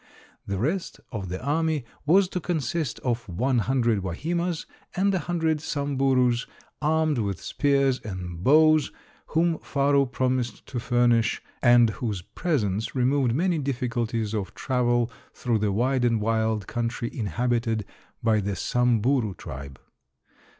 The rest of the army was to consist of one hundred Wahimas and a hundred Samburus, armed with spears and bows, whom Faru promised to furnish, and whose presence removed many difficulties of travel through the wide and wild country inhabited by the Samburu tribe.